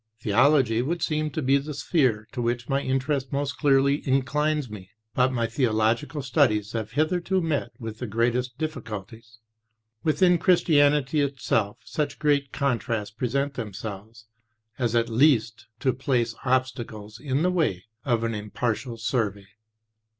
"Theology would seem to be the sphere to which my interest most clearly inclines me, but my theological studies have hitherto met with the greatest difficulties. Within Christianity itself such great contrasts present themselves as at least to place obstacles in the way of an impartial survey.